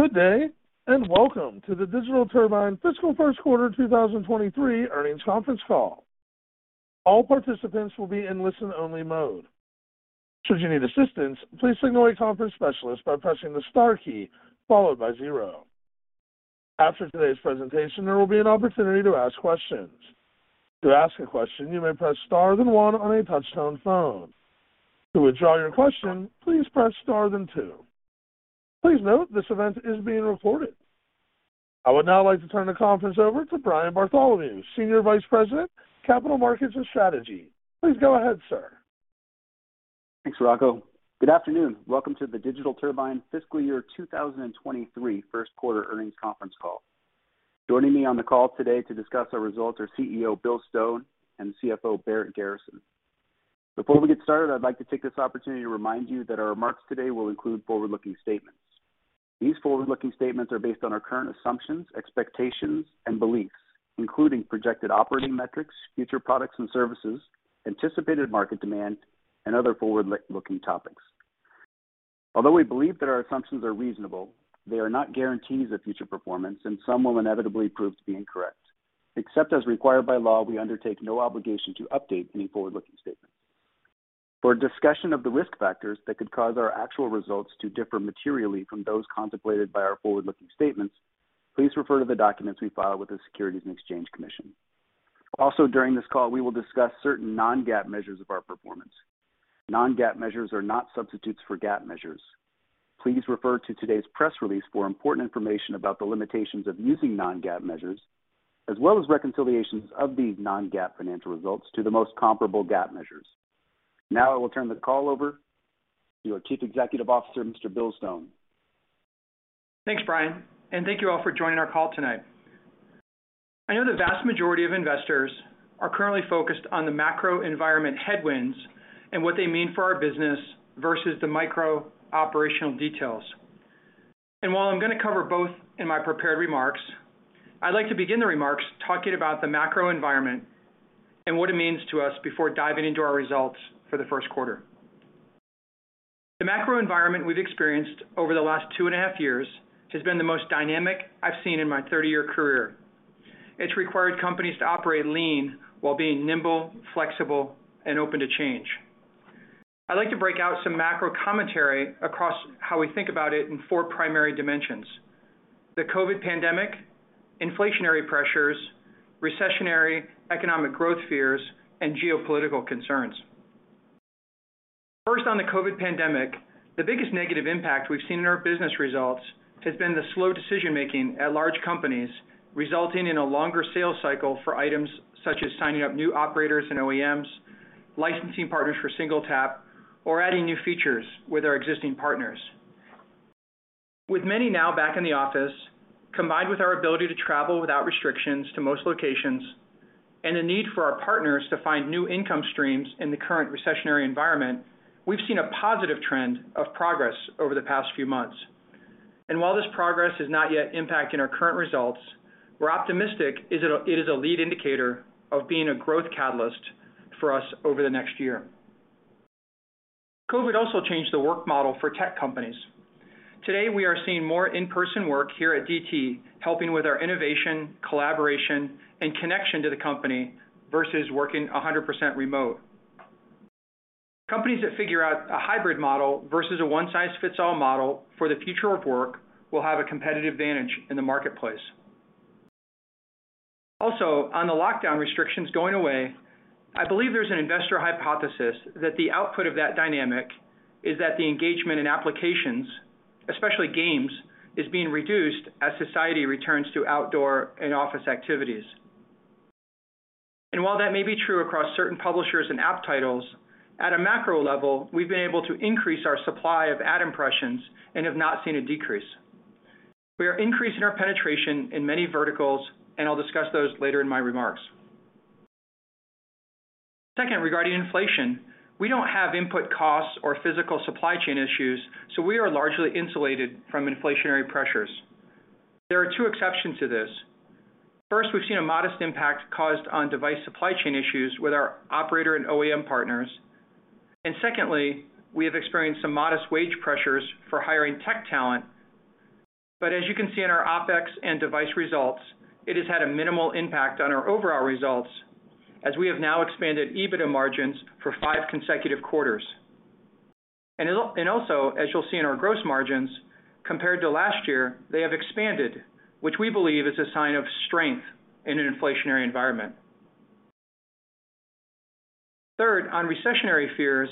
Good day, and welcome to the Digital Turbine fiscal first quarter 2023 earnings conference call. All participants will be in listen-only mode. Should you need assistance, please signal a conference specialist by pressing the star key followed by zero. After today's presentation, there will be an opportunity to ask questions. To ask a question, you may press star then one on a touch-tone phone. To withdraw your question, please press star then two. Please note this event is being recorded. I would now like to turn the conference over to Brian Bartholomew, Senior Vice President, Capital Markets and Strategy. Please go ahead, sir. Thanks, Rocco. Good afternoon. Welcome to the Digital Turbine fiscal year 2023 first quarter earnings conference call. Joining me on the call today to discuss our results are CEO Bill Stone and CFO Barrett Garrison. Before we get started, I'd like to take this opportunity to remind you that our remarks today will include forward-looking statements. These forward-looking statements are based on our current assumptions, expectations, and beliefs, including projected operating metrics, future products and services, anticipated market demand, and other forward-looking topics. Although we believe that our assumptions are reasonable, they are not guarantees of future performance, and some will inevitably prove to be incorrect. Except as required by law, we undertake no obligation to update any forward-looking statements. For a discussion of the risk factors that could cause our actual results to differ materially from those contemplated by our forward-looking statements, please refer to the documents we file with the Securities and Exchange Commission. Also, during this call, we will discuss certain non-GAAP measures of our performance. Non-GAAP measures are not substitutes for GAAP measures. Please refer to today's press release for important information about the limitations of using non-GAAP measures, as well as reconciliations of these non-GAAP financial results to the most comparable GAAP measures. Now I will turn the call over to our Chief Executive Officer, Mr. Bill Stone. Thanks, Brian, and thank you all for joining our call tonight. I know the vast majority of investors are currently focused on the macro environment headwinds and what they mean for our business versus the micro operational details. While I'm gonna cover both in my prepared remarks, I'd like to begin the remarks talking about the macro environment and what it means to us before diving into our results for the first quarter. The macro environment we've experienced over the last two and a half years has been the most dynamic I've seen in my 30-year career. It's required companies to operate lean while being nimble, flexible, and open to change. I'd like to break out some macro commentary across how we think about it in four primary dimensions. The COVID pandemic, inflationary pressures, recessionary economic growth fears, and geopolitical concerns. First, on the COVID pandemic, the biggest negative impact we've seen in our business results has been the slow decision-making at large companies, resulting in a longer sales cycle for items such as signing up new operators and OEMs, licensing partners for SingleTap, or adding new features with our existing partners. With many now back in the office, combined with our ability to travel without restrictions to most locations and the need for our partners to find new income streams in the current recessionary environment, we've seen a positive trend of progress over the past few months. While this progress is not yet impacting our current results, we're optimistic it is a lead indicator of being a growth catalyst for us over the next year. COVID also changed the work model for tech companies. Today, we are seeing more in-person work here at DT, helping with our innovation, collaboration, and connection to the company versus working 100% remote. Companies that figure out a hybrid model versus a one-size-fits-all model for the future of work will have a competitive advantage in the marketplace. Also, on the lockdown restrictions going away, I believe there's an investor hypothesis that the output of that dynamic is that the engagement in applications, especially games, is being reduced as society returns to outdoor and office activities. While that may be true across certain publishers and app titles, at a macro level, we've been able to increase our supply of ad impressions and have not seen a decrease. We are increasing our penetration in many verticals, and I'll discuss those later in my remarks. Second, regarding inflation, we don't have input costs or physical supply chain issues, so we are largely insulated from inflationary pressures. There are two exceptions to this. First, we've seen a modest impact caused on device supply chain issues with our operator and OEM partners. Secondly, we have experienced some modest wage pressures for hiring tech talent. As you can see in our OpEx and device results, it has had a minimal impact on our overall results as we have now expanded EBITDA margins for five consecutive quarters. Also, as you'll see in our gross margins, compared to last year, they have expanded, which we believe is a sign of strength in an inflationary environment. Third, on recessionary fears,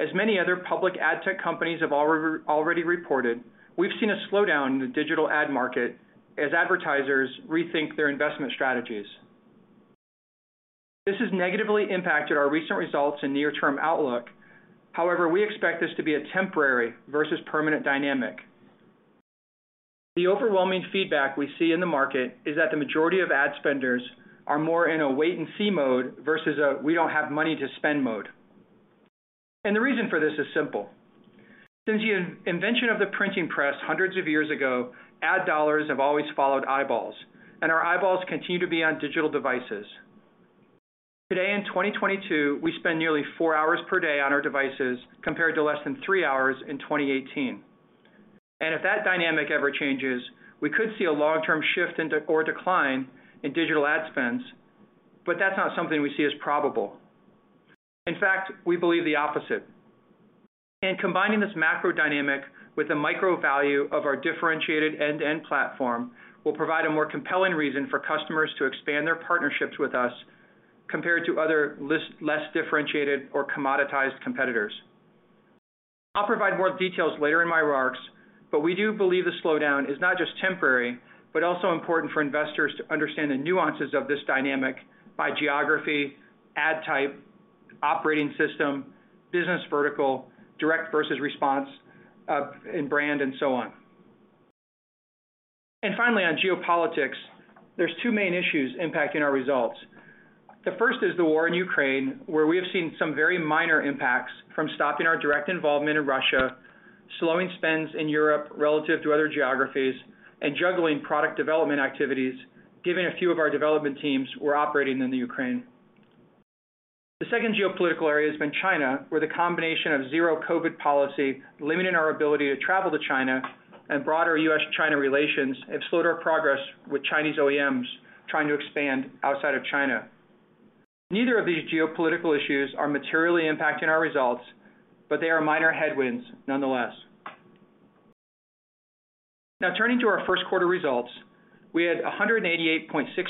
as many other public ad tech companies have already reported, we've seen a slowdown in the digital ad market as advertisers rethink their investment strategies. This has negatively impacted our recent results and near-term outlook. However, we expect this to be a temporary versus permanent dynamic. The overwhelming feedback we see in the market is that the majority of ad spenders are more in a wait and see mode versus a we don't have money to spend mode. The reason for this is simple. Since the invention of the printing press hundreds of years ago, ad dollars have always followed eyeballs, and our eyeballs continue to be on digital devices. Today in 2022, we spend nearly four hours per day on our devices compared to less than three hours in 2018. If that dynamic ever changes, we could see a long-term shift into or decline in digital ad spends, but that's not something we see as probable. In fact, we believe the opposite. Combining this macro dynamic with the micro value of our differentiated end-to-end platform will provide a more compelling reason for customers to expand their partnerships with us compared to other less differentiated or commoditized competitors. I'll provide more details later in my remarks, but we do believe the slowdown is not just temporary, but also important for investors to understand the nuances of this dynamic by geography, ad type, operating system, business vertical, direct versus response, and brand, and so on. Finally, on geopolitics, there's two main issues impacting our results. The first is the war in Ukraine, where we have seen some very minor impacts from stopping our direct involvement in Russia, slowing spends in Europe relative to other geographies, and juggling product development activities, given a few of our development teams were operating in the Ukraine. The second geopolitical area has been China, where the combination of zero COVID policy limited our ability to travel to China and broader U.S.-China relations have slowed our progress with Chinese OEMs trying to expand outside of China. Neither of these geopolitical issues are materially impacting our results, but they are minor headwinds nonetheless. Now turning to our first quarter results, we had $188.6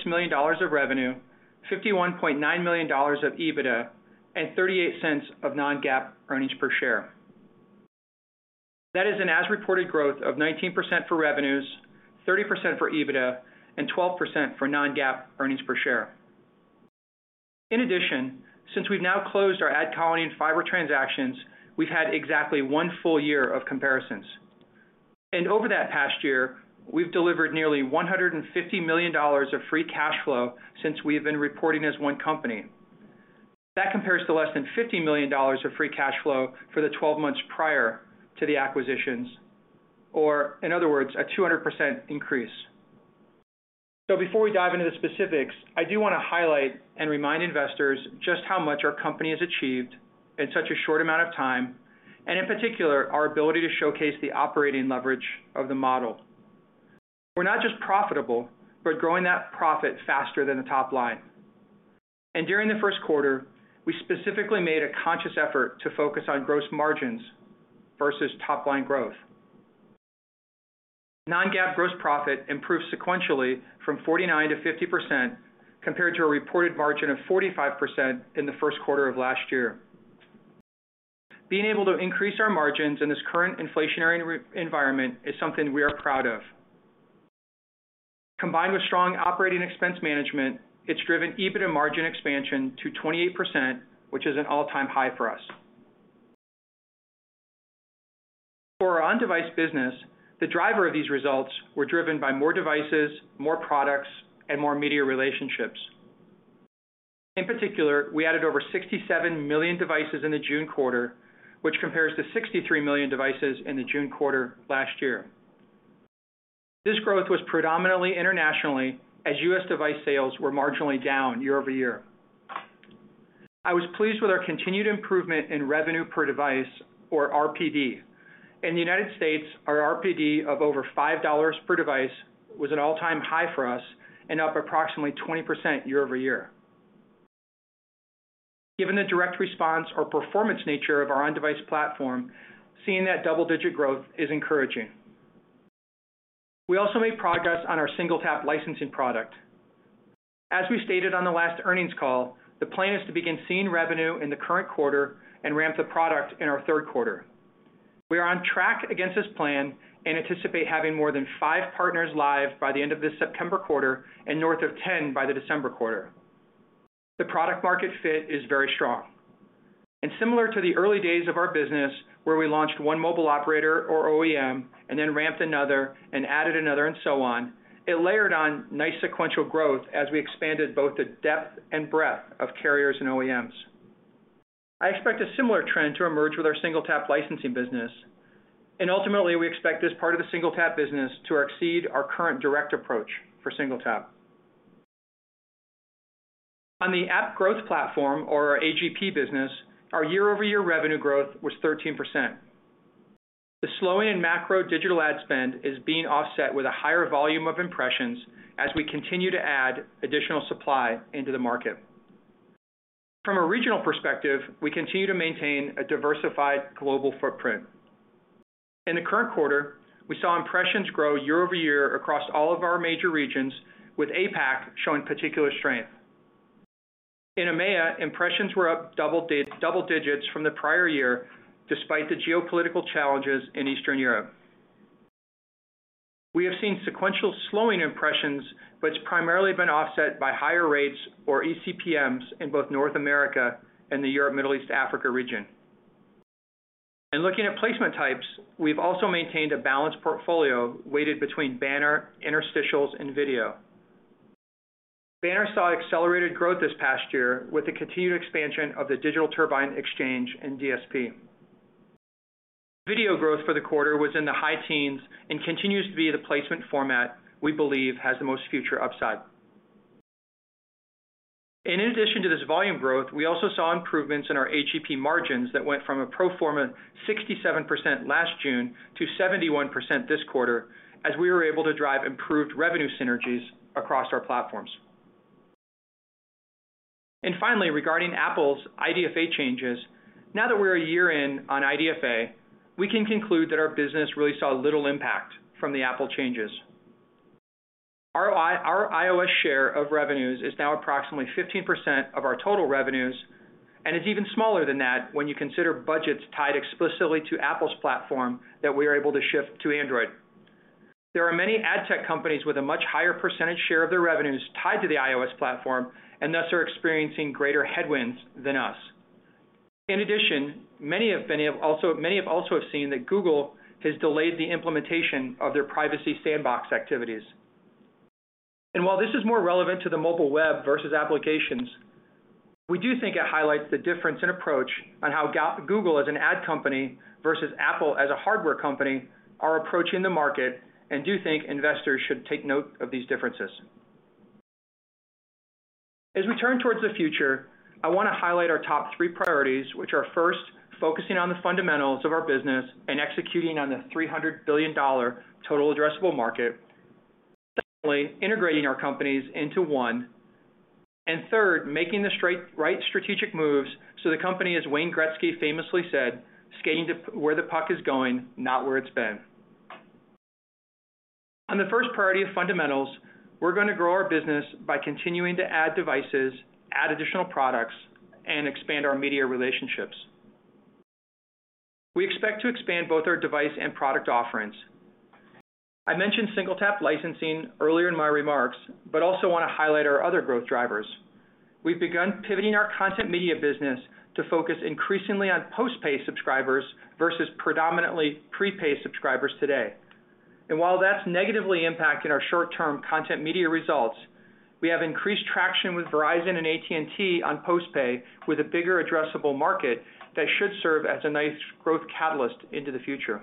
million of revenue, $51.9 million of EBITDA, and $0.38 of non-GAAP earnings per share. That is an as-reported growth of 19% for revenues, 30% for EBITDA, and 12% for non-GAAP earnings per share. In addition, since we've now closed our AdColony and Fyber transactions, we've had exactly one full year of comparisons. Over that past year, we've delivered nearly $150 million of free cash flow since we have been reporting as one company. That compares to less than $50 million of free cash flow for the twelve months prior to the acquisitions, or in other words, a 200% increase. Before we dive into the specifics, I do wanna highlight and remind investors just how much our company has achieved in such a short amount of time, and in particular, our ability to showcase the operating leverage of the model. We're not just profitable, but growing that profit faster than the top line. During the first quarter, we specifically made a conscious effort to focus on gross margins versus top-line growth. Non-GAAP gross profit improved sequentially from 49%-50% compared to a reported margin of 45% in the first quarter of last year. Being able to increase our margins in this current inflationary environment is something we are proud of. Combined with strong operating expense management, it's driven EBITDA margin expansion to 28%, which is an all-time high for us. For our on-device business, the driver of these results were driven by more devices, more products, and more media relationships. In particular, we added over 67 million devices in the June quarter, which compares to 63 million devices in the June quarter last year. This growth was predominantly internationally as U.S. device sales were marginally down year-over-year. I was pleased with our continued improvement in revenue per device, or RPD. In the United States, our RPD of over $5 per device was an all-time high for us and up approximately 20% year-over-year. Given the direct response or performance nature of our on-device platform, seeing that double-digit growth is encouraging. We also made progress on our SingleTap licensing product. As we stated on the last earnings call, the plan is to begin seeing revenue in the current quarter and ramp the product in our third quarter. We are on track against this plan and anticipate having more than five partners live by the end of this September quarter and north of 10 by the December quarter. The product market fit is very strong. Similar to the early days of our business, where we launched one mobile operator or OEM and then ramped another and added another and so on, it layered on nice sequential growth as we expanded both the depth and breadth of carriers and OEMs. I expect a similar trend to emerge with our SingleTap licensing business. Ultimately, we expect this part of the SingleTap business to exceed our current direct approach for SingleTap. On the App Growth Platform, or our AGP business, our year-over-year revenue growth was 13%. The slowing in macro digital ad spend is being offset with a higher volume of impressions as we continue to add additional supply into the market. From a regional perspective, we continue to maintain a diversified global footprint. In the current quarter, we saw impressions grow year over year across all of our major regions, with APAC showing particular strength. In EMEA, impressions were up double digits from the prior year, despite the geopolitical challenges in Eastern Europe. We have seen sequential slowing impressions, but it's primarily been offset by higher rates or eCPMs in both North America and the Europe, Middle East, Africa region. In looking at placement types, we've also maintained a balanced portfolio weighted between banner, interstitials, and video. Banner saw accelerated growth this past year with the continued expansion of the Digital Turbine Exchange and DSP. Video growth for the quarter was in the high teens and continues to be the placement format we believe has the most future upside. In addition to this volume growth, we also saw improvements in our AGP margins that went from a pro forma 67% last June to 71% this quarter as we were able to drive improved revenue synergies across our platforms. Finally, regarding Apple's IDFA changes, now that we're a year in on IDFA, we can conclude that our business really saw little impact from the Apple changes. Our iOS share of revenues is now approximately 15% of our total revenues, and it's even smaller than that when you consider budgets tied explicitly to Apple's platform that we are able to shift to Android. There are many ad tech companies with a much higher percentage share of their revenues tied to the iOS platform, and thus are experiencing greater headwinds than us. In addition, many have also seen that Google has delayed the implementation of their Privacy Sandbox activities. While this is more relevant to the mobile web versus applications, we do think it highlights the difference in approach on how Google as an ad company versus Apple as a hardware company are approaching the market and do think investors should take note of these differences. As we turn towards the future, I wanna highlight our top three priorities, which are, first, focusing on the fundamentals of our business and executing on the $300 billion total addressable market. Secondly, integrating our companies into one. Third, making the straight strategic moves so the company, as Wayne Gretzky famously said, "Skating to where the puck is going, not where it's been." On the first priority of fundamentals, we're gonna grow our business by continuing to add devices, add additional products, and expand our media relationships. We expect to expand both our device and product offerings. I mentioned SingleTap licensing earlier in my remarks, but also wanna highlight our other growth drivers. We've begun pivoting our content media business to focus increasingly on post-pay subscribers versus predominantly prepaid subscribers today. While that's negatively impacting our short-term content media results, we have increased traction with Verizon and AT&T on post-pay with a bigger addressable market that should serve as a nice growth catalyst into the future.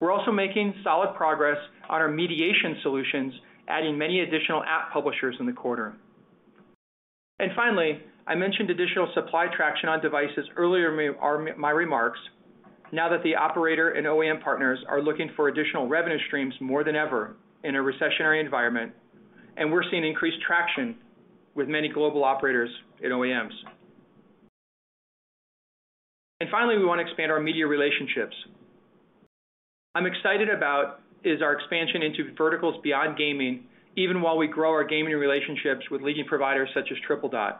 We're also making solid progress on our mediation solutions, adding many additional app publishers in the quarter. Finally, I mentioned additional supply traction on devices earlier in my remarks now that the operator and OEM partners are looking for additional revenue streams more than ever in a recessionary environment, and we're seeing increased traction with many global operators and OEMs. Finally, we wanna expand our media relationships. I'm excited about is our expansion into verticals beyond gaming, even while we grow our gaming relationships with leading providers such as Tripledot.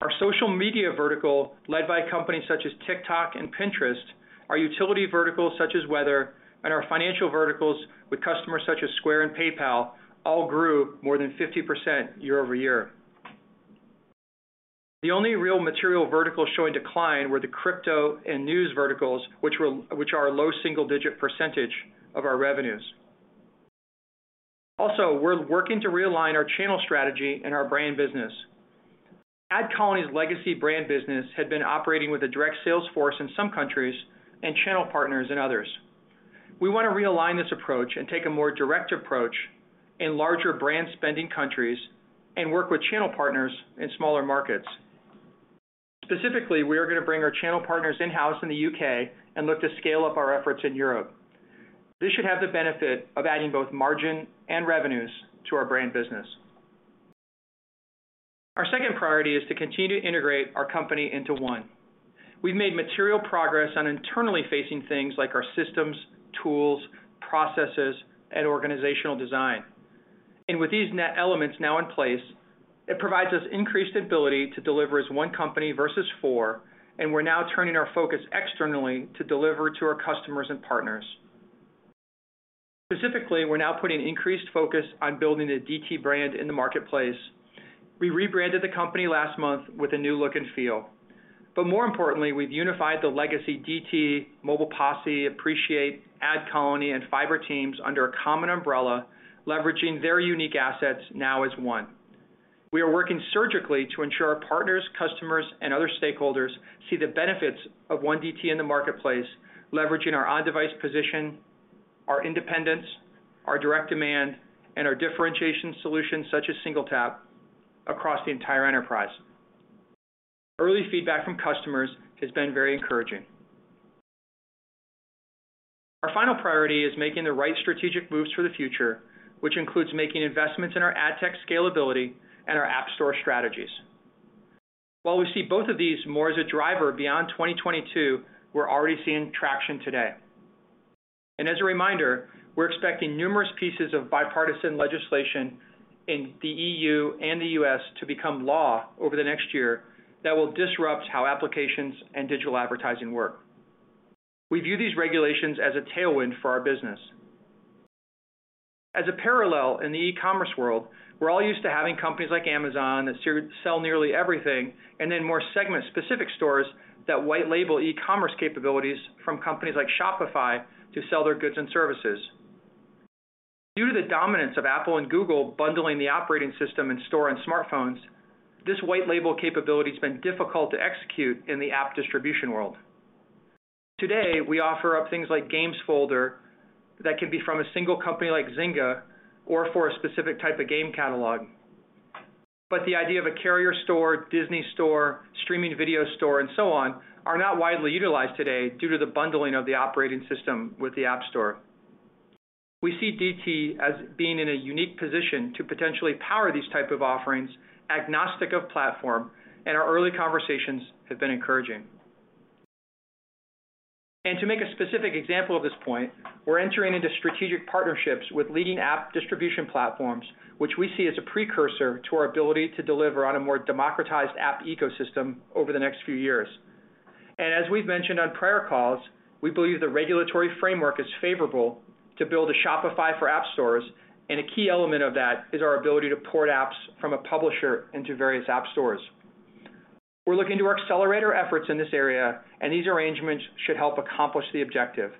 Our social media vertical, led by companies such as TikTok and Pinterest, our utility verticals such as weather, and our financial verticals with customers such as Square and PayPal, all grew more than 50% year-over-year. The only real material verticals showing decline were the crypto and news verticals, which are a low single-digit percentage of our revenues. Also, we're working to realign our channel strategy and our brand business. AdColony's legacy brand business had been operating with a direct sales force in some countries and channel partners in others. We wanna realign this approach and take a more direct approach in larger brand-spending countries and work with channel partners in smaller markets. Specifically, we are gonna bring our channel partners in-house in the U.K. and look to scale up our efforts in Europe. This should have the benefit of adding both margin and revenues to our brand business. Our second priority is to continue to integrate our company into one. We've made material progress on internally facing things like our systems, tools, processes, and organizational design. With these net elements now in place, it provides us increased ability to deliver as one company versus four, and we're now turning our focus externally to deliver to our customers and partners. Specifically, we're now putting increased focus on building the DT brand in the marketplace. We rebranded the company last month with a new look and feel. More importantly, we've unified the legacy DT, Mobile Posse, Appreciate, AdColony, and Fyber teams under a common umbrella, leveraging their unique assets now as one. We are working surgically to ensure our partners, customers, and other stakeholders see the benefits of one DT in the marketplace, leveraging our on-device position, our independence, our direct demand, and our differentiation solutions such as SingleTap across the entire enterprise. Early feedback from customers has been very encouraging. Our final priority is making the right strategic moves for the future, which includes making investments in our ad tech scalability and our app store strategies. While we see both of these more as a driver beyond 2022, we're already seeing traction today. As a reminder, we're expecting numerous pieces of bipartisan legislation in the EU and the U.S. to become law over the next year that will disrupt how applications and digital advertising work. We view these regulations as a tailwind for our business. As a parallel in the e-commerce world, we're all used to having companies like Amazon that sell nearly everything, and then more segment-specific stores that white label e-commerce capabilities from companies like Shopify to sell their goods and services. Due to the dominance of Apple and Google bundling the operating system, App Store, and smartphones, this white label capability's been difficult to execute in the app distribution world. Today, we offer up things like Games Folder that can be from a single company like Zynga or for a specific type of game catalog. The idea of a carrier store, Disney store, streaming video store, and so on, are not widely utilized today due to the bundling of the operating system with the App Store. We see DT as being in a unique position to potentially power these type of offerings agnostic of platform, and our early conversations have been encouraging. To make a specific example of this point, we're entering into strategic partnerships with leading app distribution platforms, which we see as a precursor to our ability to deliver on a more democratized app ecosystem over the next few years. As we've mentioned on prior calls, we believe the regulatory framework is favorable to build a Shopify for app stores, and a key element of that is our ability to port apps from a publisher into various app stores. We're looking to our accelerator efforts in this area, and these arrangements should help accomplish the objective.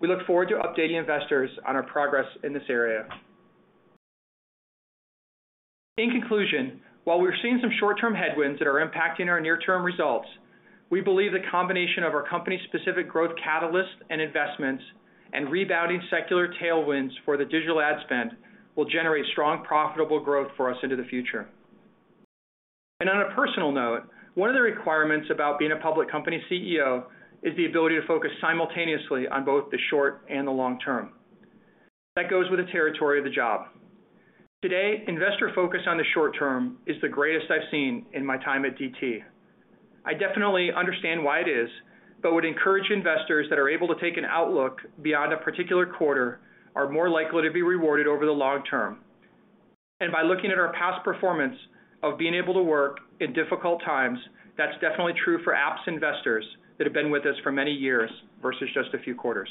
We look forward to updating investors on our progress in this area. In conclusion, while we're seeing some short-term headwinds that are impacting our near-term results, we believe the combination of our company's specific growth catalysts and investments and rebounding secular tailwinds for the digital ad spend will generate strong, profitable growth for us into the future. On a personal note, one of the requirements about being a public company CEO is the ability to focus simultaneously on both the short and the long term. That goes with the territory of the job. Today, investor focus on the short term is the greatest I've seen in my time at DT. I definitely understand why it is, but would encourage investors that are able to take an outlook beyond a particular quarter are more likely to be rewarded over the long term. By looking at our past performance of being able to work in difficult times, that's definitely true for APPS investors that have been with us for many years versus just a few quarters.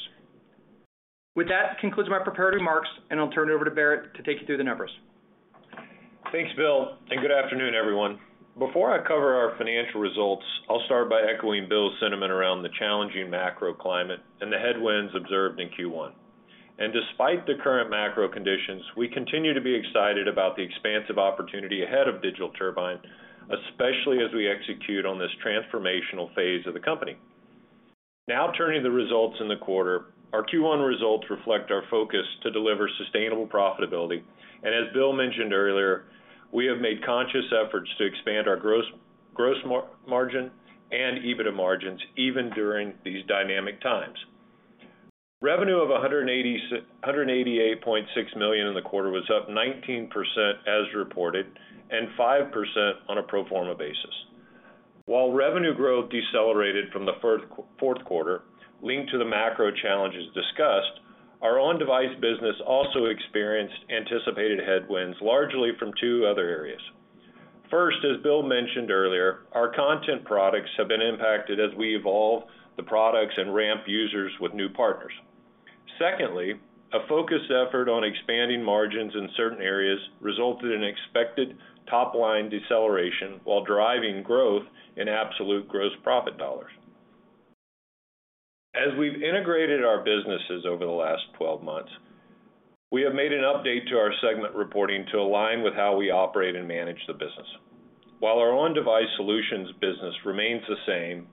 With that concludes my prepared remarks, and I'll turn it over to Barrett to take you through the numbers. Thanks, Bill, and good afternoon, everyone. Before I cover our financial results, I'll start by echoing Bill's sentiment around the challenging macro climate and the headwinds observed in Q1. Despite the current macro conditions, we continue to be excited about the expansive opportunity ahead of Digital Turbine, especially as we execute on this transformational phase of the company. Now turning to the results in the quarter. Our Q1 results reflect our focus to deliver sustainable profitability. As Bill mentioned earlier, we have made conscious efforts to expand our gross margin and EBITDA margins even during these dynamic times. Revenue of $188.6 million in the quarter was up 19% as reported and 5% on a pro forma basis. While revenue growth decelerated from the fourth quarter, linked to the macro challenges discussed, our On-Device Solutions business also experienced anticipated headwinds, largely from two other areas. First, as Bill mentioned earlier, our content products have been impacted as we evolve the products and ramp users with new partners. Secondly, a focused effort on expanding margins in certain areas resulted in expected top line deceleration while driving growth in absolute gross profit dollars. As we've integrated our businesses over the last 12 months, we have made an update to our segment reporting to align with how we operate and manage the business. While our On-Device Solutions business remains the same,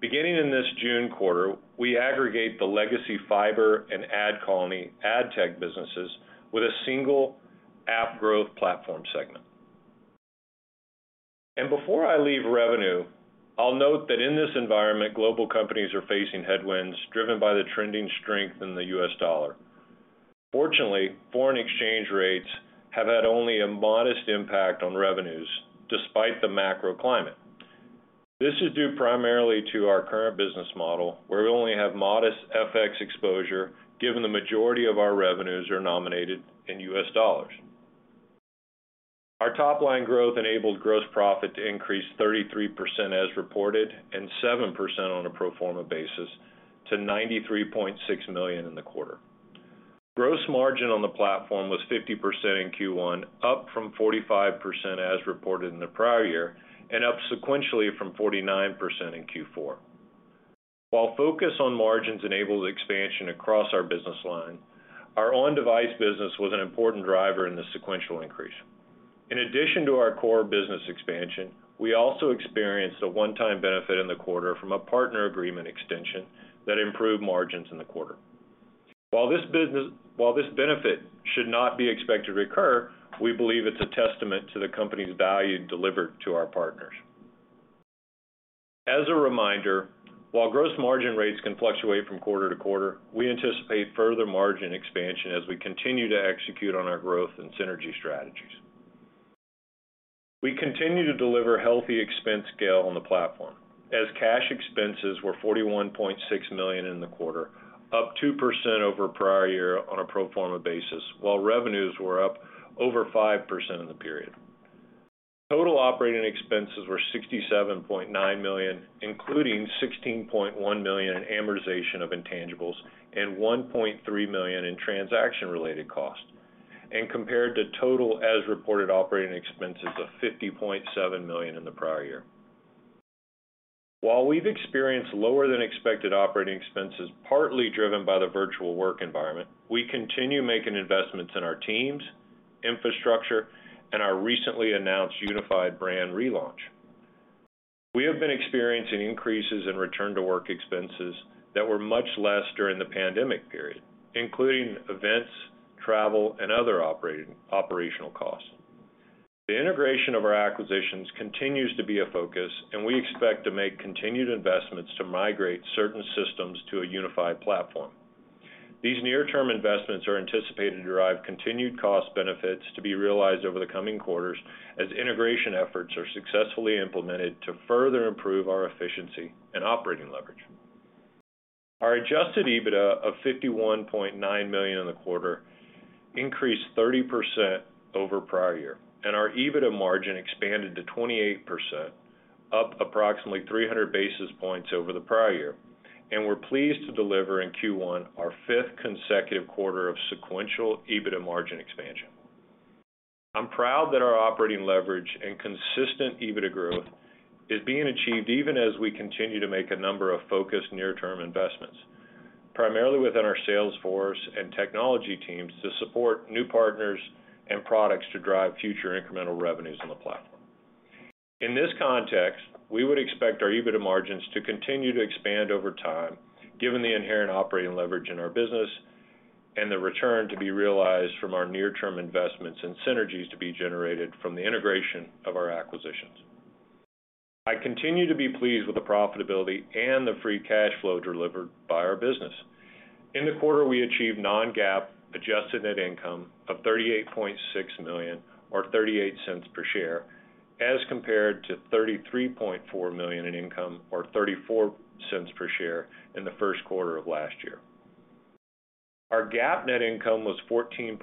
beginning in this June quarter, we aggregate the legacy Fyber and AdColony ad tech businesses with a single App Growth Platform segment. Before I leave revenue, I'll note that in this environment, global companies are facing headwinds driven by the trending strength in the U.S. dollar. Fortunately, foreign exchange rates have had only a modest impact on revenues despite the macro climate. This is due primarily to our current business model, where we only have modest FX exposure, given the majority of our revenues are nominated in U.S. dollars. Our top line growth enabled gross profit to increase 33% as reported and 7% on a pro forma basis to $93.6 million in the quarter. Gross margin on the platform was 50% in Q1, up from 45% as reported in the prior year and up sequentially from 49% in Q4. While focus on margins enabled expansion across our business line, our on-device business was an important driver in the sequential increase. In addition to our core business expansion, we also experienced a one-time benefit in the quarter from a partner agreement extension that improved margins in the quarter. While this benefit should not be expected to recur, we believe it's a testament to the company's value delivered to our partners. As a reminder, while gross margin rates can fluctuate from quarter to quarter, we anticipate further margin expansion as we continue to execute on our growth and synergy strategies. We continue to deliver healthy expense scale on the platform as cash expenses were $41.6 million in the quarter, up 2% over prior year on a pro forma basis, while revenues were up over 5% in the period. Total operating expenses were $67.9 million, including $16.1 million in amortization of intangibles and $1.3 million in transaction-related costs, and compared to total as reported operating expenses of $50.7 million in the prior year. While we've experienced lower than expected operating expenses, partly driven by the virtual work environment, we continue making investments in our teams, infrastructure, and our recently announced unified brand relaunch. We have been experiencing increases in return to work expenses that were much less during the pandemic period, including events, travel, and other operational costs. The integration of our acquisitions continues to be a focus, and we expect to make continued investments to migrate certain systems to a unified platform. These near-term investments are anticipated to derive continued cost benefits to be realized over the coming quarters as integration efforts are successfully implemented to further improve our efficiency and operating leverage. Our adjusted EBITDA of $51.9 million in the quarter increased 30% over prior year, and our EBITDA margin expanded to 28%, up approximately 300 basis points over the prior year. We're pleased to deliver in Q1 our fifth consecutive quarter of sequential EBITDA margin expansion. I'm proud that our operating leverage and consistent EBITDA growth is being achieved even as we continue to make a number of focused near-term investments, primarily within our sales force and technology teams to support new partners and products to drive future incremental revenues on the platform. In this context, we would expect our EBITDA margins to continue to expand over time, given the inherent operating leverage in our business and the return to be realized from our near-term investments and synergies to be generated from the integration of our acquisitions. I continue to be pleased with the profitability and the free cash flow delivered by our business. In the quarter, we achieved non-GAAP adjusted net income of $38.6 million or $0.38 per share, as compared to $33.4 million in income or $0.34 per share in the first quarter of last year. Our GAAP net income was $14.9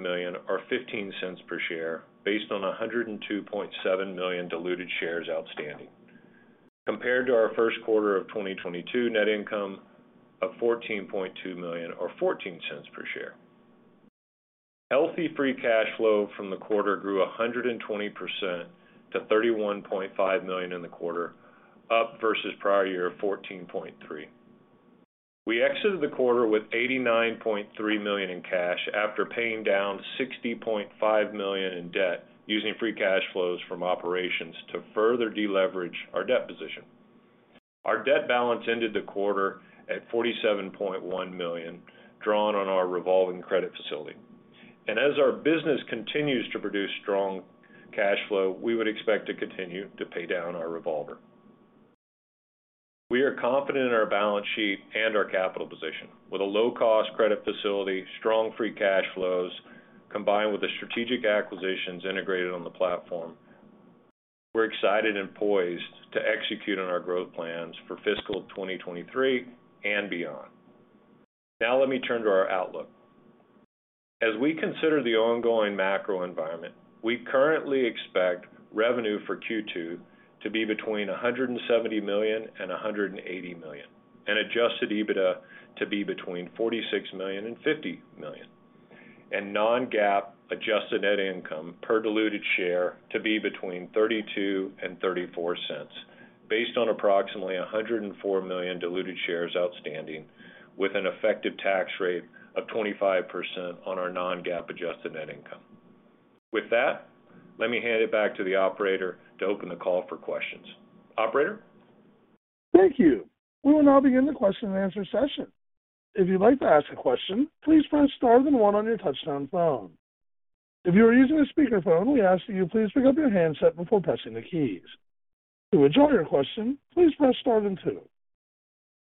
million or $0.15 per share based on 102.7 million diluted shares outstanding, compared to our first quarter of 2022 net income of $14.2 million or $0.14 per share. Healthy free cash flow from the quarter grew 120% to $31.5 million in the quarter, up versus prior year of $14.3 million. We exited the quarter with $89.3 million in cash after paying down $60.5 million in debt using free cash flows from operations to further deleverage our debt position. Our debt balance ended the quarter at $47.1 million, drawn on our revolving credit facility. As our business continues to produce strong cash flow, we would expect to continue to pay down our revolver. We are confident in our balance sheet and our capital position. With a low-cost credit facility, strong free cash flows, combined with the strategic acquisitions integrated on the platform, we're excited and poised to execute on our growth plans for fiscal 2023 and beyond. Now let me turn to our outlook. As we consider the ongoing macro environment, we currently expect revenue for Q2 to be between $170 million and $180 million, and adjusted EBITDA to be between $46 million and $50 million, and non-GAAP adjusted net income per diluted share to be between $0.32 and $0.34 based on approximately $104 million diluted shares outstanding with an effective tax rate of 25% on our non-GAAP adjusted net income. With that, let me hand it back to the operator to open the call for questions. Operator? Thank you. We will now begin the question and answer session. If you'd like to ask a question, please press star then one on your touch-tone phone. If you are using a speaker phone, we ask that you please pick up your handset before pressing the keys. To withdraw your question, please press star then two.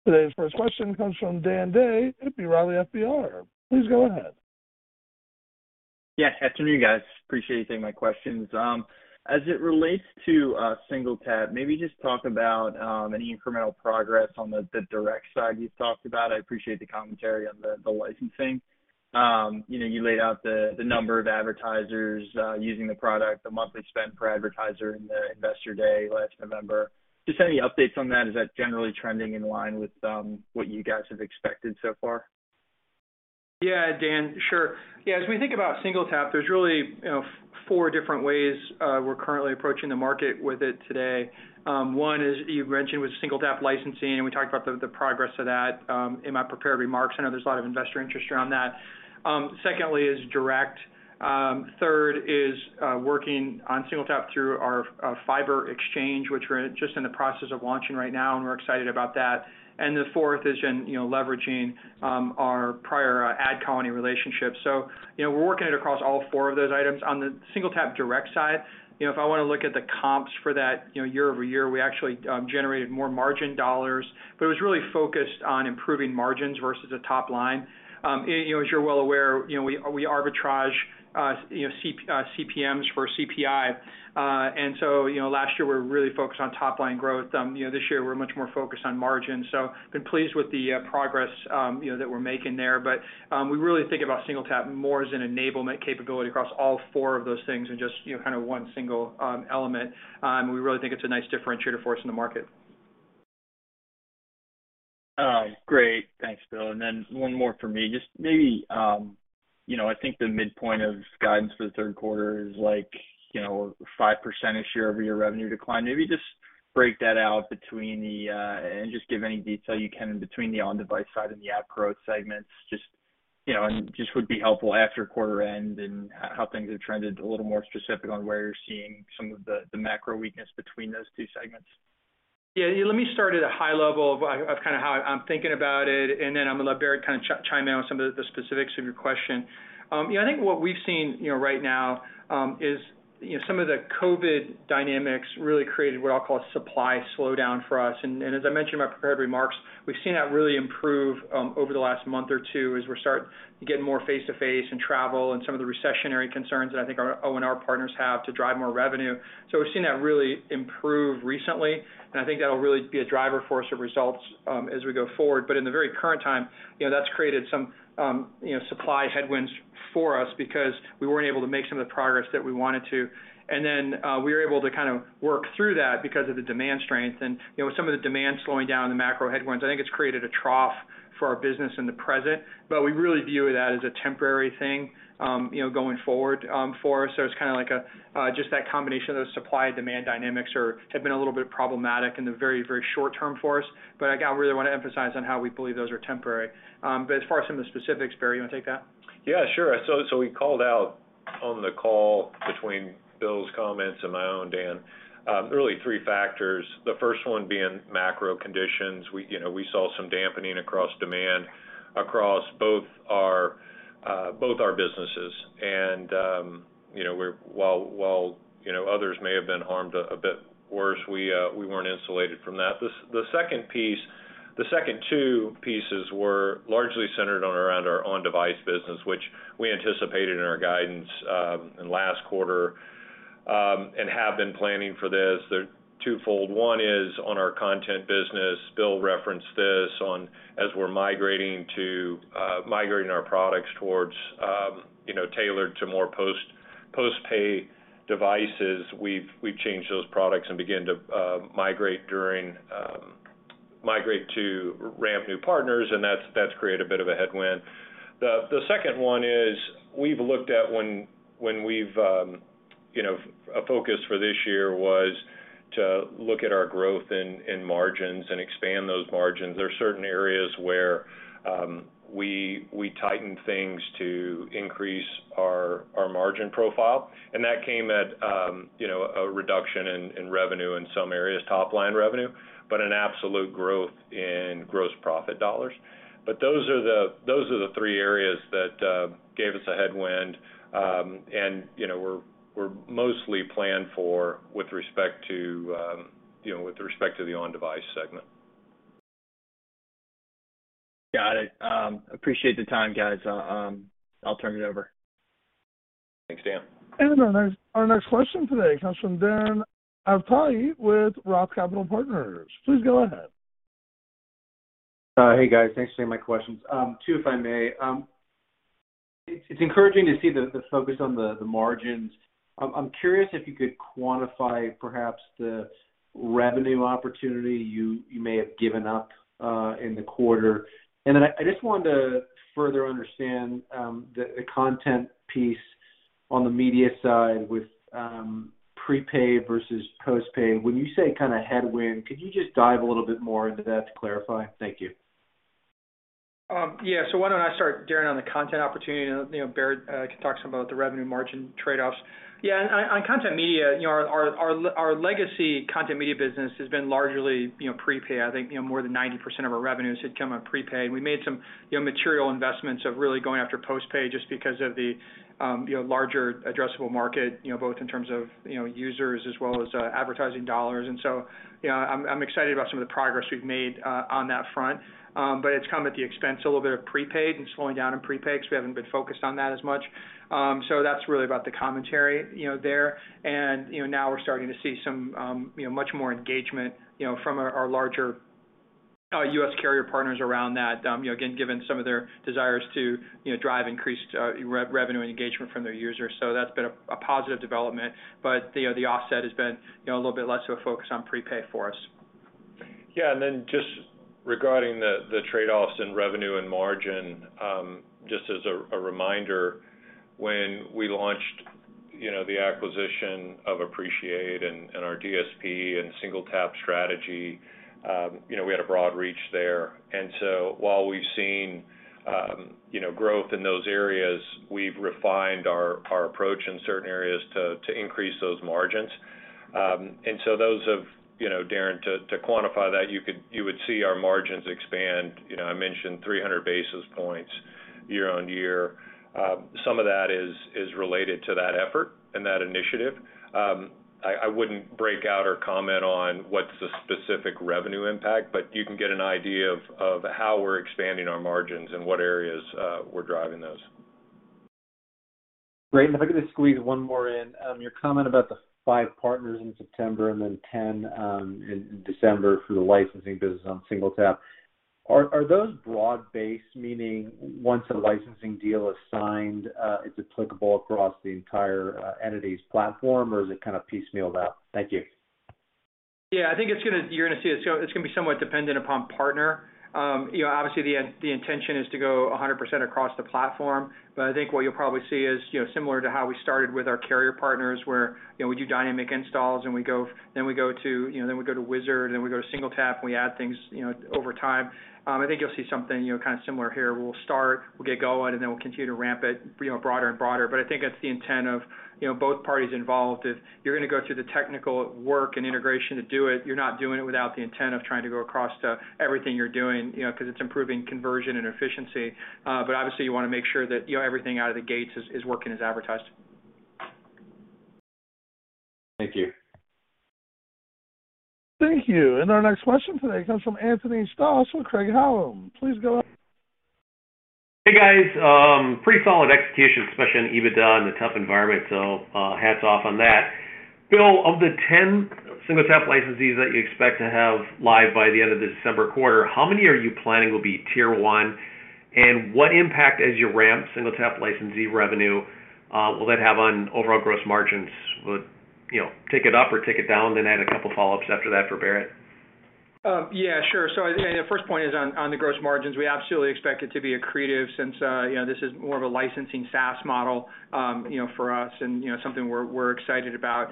Today's first question comes from Dan Day at B. Riley Securities. Please go ahead. Yeah. Afternoon, guys. Appreciate you taking my questions. As it relates to SingleTap, maybe just talk about any incremental progress on the direct side you've talked about. I appreciate the commentary on the licensing. You know, you laid out the number of advertisers using the product, the monthly spend per advertiser in the Investor Day last November. Just any updates on that, is that generally trending in line with what you guys have expected so far? Yeah, Dan, sure. Yeah, as we think about SingleTap, there's really, you know, four different ways we're currently approaching the market with it today. One is, you've mentioned, with SingleTap licensing, and we talked about the progress of that in my prepared remarks. I know there's a lot of investor interest around that. Secondly is direct. Third is working on SingleTap through our Fyber exchange, which we're just in the process of launching right now, and we're excited about that. The fourth is in, you know, leveraging our prior AdColony relationship. You know, we're working it across all four of those items. On the SingleTap direct side, you know, if I wanna look at the comps for that, you know, year-over-year, we actually generated more margin dollars, but it was really focused on improving margins versus the top line. You know, as you're well aware, you know, we arbitrage you know, CPMs for CPI. You know, last year we were really focused on top line growth. You know, this year we're much more focused on margin. Been pleased with the progress, you know, that we're making there. We really think about SingleTap more as an enablement capability across all four of those things and just, you know, kind of one single element. We really think it's a nice differentiator for us in the market. Oh, great. Thanks, Bill. One more for me. Just maybe, you know, I think the midpoint of guidance for the third quarter is like, you know, 5%-ish year-over-year revenue decline. Maybe just break that out between the and just give any detail you can between the on-device side and the app growth segments. Just, you know, just would be helpful after quarter end and how things have trended a little more specific on where you're seeing some of the macro weakness between those two segments. Yeah. Let me start at a high level of kinda how I'm thinking about it, and then I'm gonna let Barrett chime in on some of the specifics of your question. You know, I think what we've seen, you know, right now, is, you know, some of the COVID dynamics really created what I'll call a supply slowdown for us. And as I mentioned in my prepared remarks, we've seen that really improve over the last month or two as we start to get more face-to-face and travel and some of the recessionary concerns that I think our OEM partners have to drive more revenue. We've seen that really improve recently, and I think that'll really be a driver for us of results as we go forward. In the very current time, you know, that's created some, you know, supply headwinds for us because we weren't able to make some of the progress that we wanted to. Then, we were able to kind of work through that because of the demand strength. You know, with some of the demand slowing down and the macro headwinds, I think it's created a trough for our business in the present. We really view that as a temporary thing, you know, going forward, for us. It's kinda like a, just that combination of those supply-demand dynamics have been a little bit problematic in the very, very short term for us. Again, I really wanna emphasize on how we believe those are temporary. As far as some of the specifics, Barrett, you wanna take that? Yeah, sure. We called out on the call between Bill's comments and my own, Dan, really three factors. The first one being macro conditions. We, you know, saw some dampening across demand across both our businesses. While others may have been harmed a bit worse, we weren't insulated from that. The second two pieces were largely centered around our on-device business, which we anticipated in our guidance in last quarter and have been planning for this. They're twofold. One is on our content business. Bill referenced this, as we're migrating our products towards tailored to more post-pay devices. We've changed those products and began to migrate to ramp new partners, and that's created a bit of a headwind. The second one is, you know, a focus for this year was to look at our growth in margins and expand those margins. There are certain areas where we tightened things to increase our margin profile, and that came at, you know, a reduction in revenue in some areas, top-line revenue, but an absolute growth in gross profit dollars. Those are the three areas that gave us a headwind, and, you know, were mostly planned for with respect to the on-device segment. Got it. Appreciate the time, guys. I'll turn it over. Thanks, Dan. Our next question today comes from Darren Aftahi with Roth Capital Partners. Please go ahead. Hey, guys. Thanks for taking my questions. Two, if I may. It's encouraging to see the focus on the margins. I'm curious if you could quantify perhaps the revenue opportunity you may have given up in the quarter. Then I just wanted to further understand the content piece on the media side with prepaid versus postpaid. When you say kinda headwind, could you just dive a little bit more into that to clarify? Thank you. Yeah. Why don't I start, Darren, on the content opportunity and, you know, Barrett can talk some about the revenue margin trade-offs. Yeah. On content media, you know, our legacy content media business has been largely, you know, prepaid. I think, you know, more than 90% of our revenues had come on prepaid. We made some, you know, material investments of really going after postpaid just because of the, you know, larger addressable market, you know, both in terms of, you know, users as well as advertising dollars. You know, I'm excited about some of the progress we've made on that front. But it's come at the expense a little bit of prepaid and slowing down in prepaid 'cause we haven't been focused on that as much. That's really about the commentary, you know, there. Now we're starting to see some much more engagement, you know, from our larger U.S. carrier partners around that, you know, again, given some of their desires to, you know, drive increased revenue and engagement from their users. That's been a positive development. You know, the offset has been, you know, a little bit less of a focus on prepaid for us. Yeah. Just regarding the trade-offs in revenue and margin, just as a reminder, when we launched, you know, the acquisition of Appreciate and our DSP and SingleTap strategy, you know, we had a broad reach there. While we've seen, you know, growth in those areas, we've refined our approach in certain areas to increase those margins. Those have, you know, Darren, to quantify that, you would see our margins expand, you know, I mentioned 300 basis points year-over-year. Some of that is related to that effort and that initiative. I wouldn't break out or comment on what's the specific revenue impact, but you can get an idea of how we're expanding our margins and what areas we're driving those. Great. If I could just squeeze one more in. Your comment about the five partners in September and then 10 in December for the licensing business on SingleTap, are those broad-based, meaning once a licensing deal is signed, it's applicable across the entire entity's platform, or is it kind of piecemealed out? Thank you. Yeah, I think it's gonna be somewhat dependent upon partner. You know, obviously the intention is to go 100% across the platform. I think what you'll probably see is, you know, similar to how we started with our carrier partners, where, you know, we do dynamic installs and we go to Wizard, and then we go to SingleTap, and we add things, you know, over time. I think you'll see something, you know, kind of similar here. We'll start, we'll get going, and then we'll continue to ramp it, you know, broader and broader. I think that's the intent of, you know, both parties involved, is you're gonna go through the technical work and integration to do it. You're not doing it without the intent of trying to go across to everything you're doing, you know, 'cause it's improving conversion and efficiency. Obviously you wanna make sure that, you know, everything out of the gates is working as advertised. Thank you. Thank you. Our next question today comes from Anthony Stoss with Craig-Hallum. Please go ahead. Hey, guys. Pretty solid execution, especially on EBITDA in a tough environment, so hats off on that. Bill, of the 10 SingleTap licensees that you expect to have live by the end of the December quarter, how many are you planning will be tier one? And what impact as you ramp SingleTap licensee revenue will that have on overall gross margins? Would, you know, tick it up or tick it down? Then I had a couple follow-ups after that for Barrett. Yeah, sure. The first point is on the gross margins. We absolutely expect it to be accretive since you know, this is more of a licensing SaaS model, you know, for us and, you know, something we're excited about.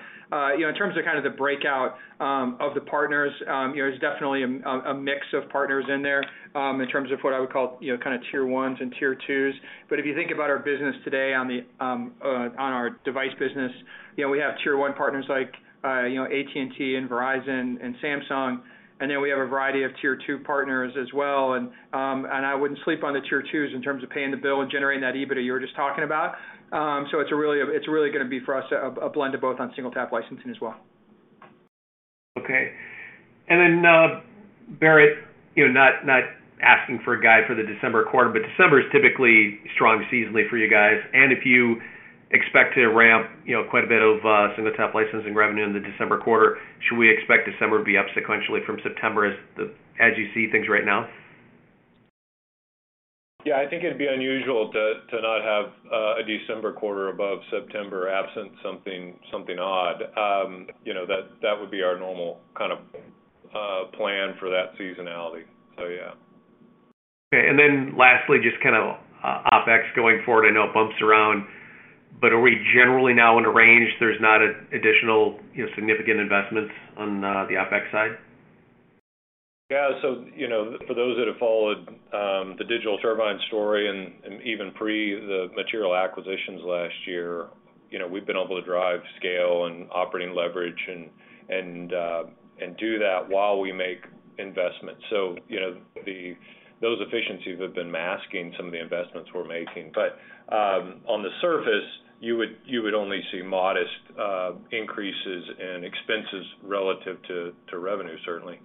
You know, in terms of kind of the breakout of the partners, you know, there's definitely a mix of partners in there, in terms of what I would call, you know, kind of tier ones and tier twos. If you think about our business today on our device business, you know, we have tier one partners like you know, AT&T and Verizon and Samsung, and then we have a variety of tier two partners as well. I wouldn't sleep on the tier twos in terms of paying the bill and generating that EBITDA you were just talking about. It's really gonna be for us a blend of both on SingleTap licensing as well. Barrett, you know, not asking for a guide for the December quarter, but December is typically strong seasonally for you guys. If you expect to ramp, you know, quite a bit of SingleTap licensing revenue in the December quarter, should we expect December to be up sequentially from September as you see things right now? Yeah. I think it'd be unusual to not have a December quarter above September, absent something odd. You know, that would be our normal kind of plan for that seasonality. Yeah. Okay. Lastly, just kind of OpEx going forward, I know it bumps around, but are we generally now in a range there's not additional, you know, significant investments on the OpEx side? Yeah, you know, for those that have followed the Digital Turbine story and even pre the material acquisitions last year, you know, we've been able to drive scale and operating leverage and do that while we make investments. Those efficiencies have been masking some of the investments we're making. On the surface, you would only see modest increases in expenses relative to revenue, certainly.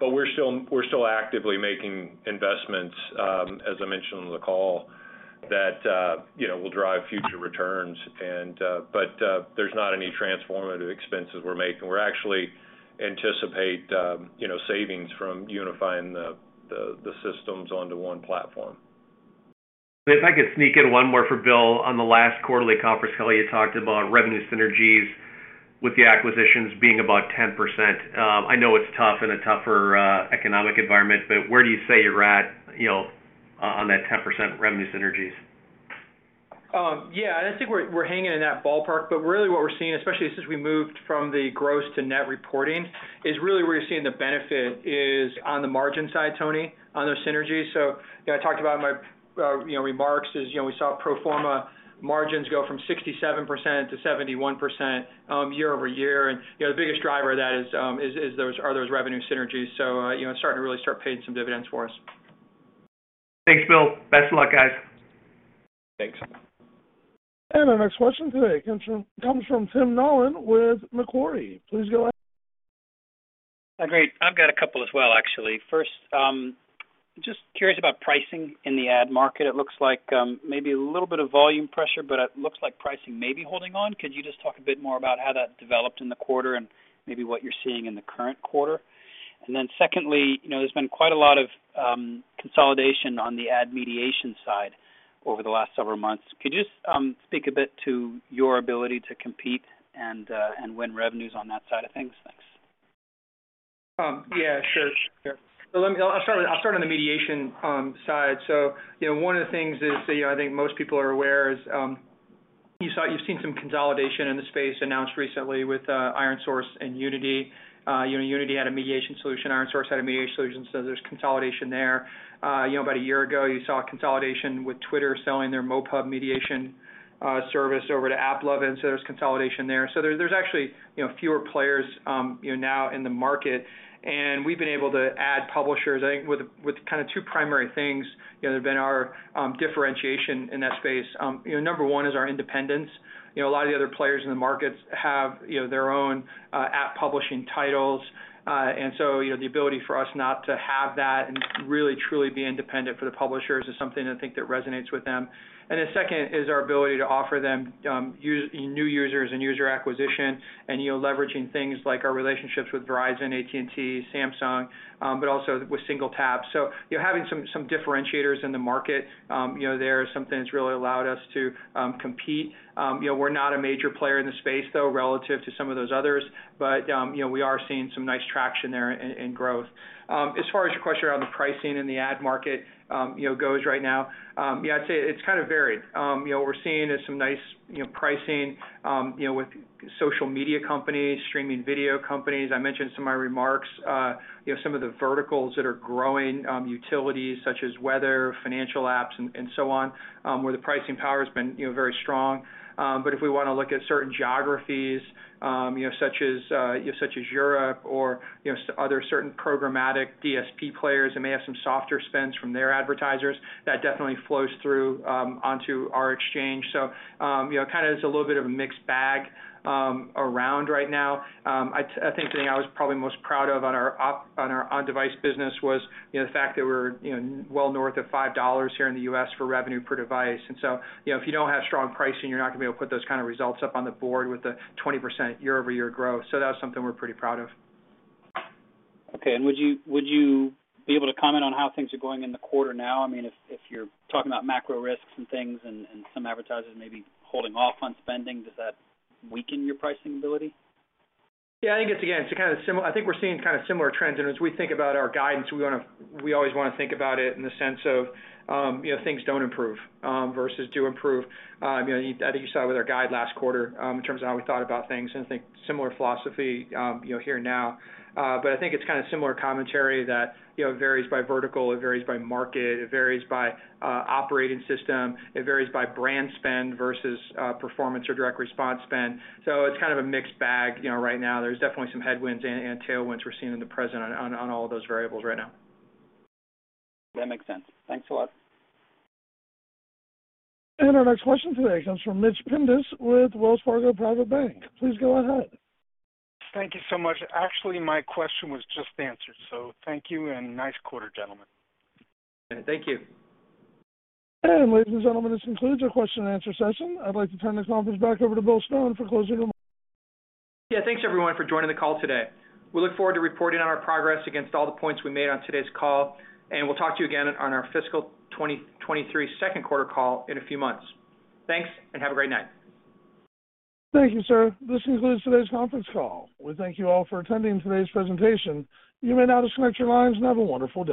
We're still actively making investments, as I mentioned on the call, that you know will drive future returns. There's not any transformative expenses we're making. We're actually anticipating, you know, savings from unifying the systems onto one platform. If I could sneak in one more for Bill. On the last quarterly conference call, you talked about revenue synergies with the acquisitions being about 10%. I know it's tough in a tougher economic environment, but where do you say you're at, you know, on that 10% revenue synergies? Yeah. I think we're hanging in that ballpark. But really what we're seeing, especially since we moved from the gross to net reporting, is really where we're seeing the benefit is on the margin side, Tony, on those synergies. You know, I talked about in my, you know, remarks, you know, we saw pro forma margins go from 67%-71%, year-over-year. You know, the biggest driver of that are those revenue synergies. You know, it's starting to really pay some dividends for us. Thanks, Bill. Best of luck, guys. Thanks. Our next question today comes from Tim Nollen with Macquarie. Please go ahead. Great. I've got a couple as well, actually. First, just curious about pricing in the ad market. It looks like, maybe a little bit of volume pressure, but it looks like pricing may be holding on. Could you just talk a bit more about how that developed in the quarter and maybe what you're seeing in the current quarter? Secondly, you know, there's been quite a lot of consolidation on the ad mediation side over the last several months. Could you just speak a bit to your ability to compete and win revenues on that side of things? Thanks. Yeah, sure. I'll start on the mediation side. You know, one of the things is that, you know, I think most people are aware is, you've seen some consolidation in the space announced recently with ironSource and Unity. You know, Unity had a mediation solution, ironSource had a mediation solution, so there's consolidation there. You know, about a year ago, you saw consolidation with Twitter selling their MoPub mediation service over to AppLovin, so there's consolidation there. There, there's actually, you know, fewer players, you know, now in the market, and we've been able to add publishers, I think, with kind of two primary things, you know, that have been our differentiation in that space. You know, number one is our independence. You know, a lot of the other players in the markets have, you know, their own, app publishing titles. So, you know, the ability for us not to have that and really truly be independent for the publishers is something I think that resonates with them. Second is our ability to offer them new users and user acquisition and, you know, leveraging things like our relationships with Verizon, AT&T, Samsung, but also with SingleTap. You know, having some differentiators in the market, you know, there is something that's really allowed us to compete. You know, we're not a major player in the space though, relative to some of those others, but, you know, we are seeing some nice traction there in growth. As far as your question around the pricing in the ad market, you know, goes right now, yeah, I'd say it's kind of varied. You know, we're seeing some nice, you know, pricing, you know, with social media companies, streaming video companies. I mentioned some of my remarks, you know, some of the verticals that are growing, utilities such as weather, financial apps, and so on, where the pricing power has been, you know, very strong. But if we wanna look at certain geographies, you know, such as Europe or, you know, other certain programmatic DSP players that may have some softer spends from their advertisers, that definitely flows through onto our exchange. You know, kind of is a little bit of a mixed bag around right now. I think the thing I was probably most proud of on our on-device business was, you know, the fact that we're, you know, well north of $5 here in the U.S. for revenue per device. You know, if you don't have strong pricing, you're not gonna be able to put those kind of results up on the board with a 20% year-over-year growth. That was something we're pretty proud of. Okay. Would you be able to comment on how things are going in the quarter now? I mean, if you're talking about macro risks and things and some advertisers may be holding off on spending, does that weaken your pricing ability? I think we're seeing kind of similar trends. As we think about our guidance, we wanna, we always wanna think about it in the sense of, you know, things don't improve versus do improve. You know, I think you saw it with our guidance last quarter, in terms of how we thought about things, and I think similar philosophy, you know, here now. But I think it's kind of similar commentary that, you know, varies by vertical, it varies by market, it varies by operating system, it varies by brand spend versus performance or direct response spend. So it's kind of a mixed bag. You know, right now there's definitely some headwinds and tailwinds we're seeing at present on all of those variables right now. That makes sense. Thanks a lot. Our next question today comes from Mitch Pindus with Wells Fargo Private Bank. Please go ahead. Thank you so much. Actually, my question was just answered, so thank you and nice quarter, gentlemen. Thank you. Ladies and gentlemen, this concludes our question and answer session. I'd like to turn this conference back over to Bill Stone for closing remarks. Yeah. Thanks everyone for joining the call today. We look forward to reporting on our progress against all the points we made on today's call, and we'll talk to you again on our fiscal 2023 second quarter call in a few months. Thanks, and have a great night. Thank you, sir. This concludes today's conference call. We thank you all for attending today's presentation. You may now disconnect your lines, and have a wonderful day.